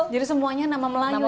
jadi semuanya nama melayu ya bu